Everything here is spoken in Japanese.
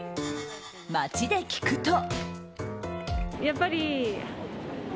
街で聞くと。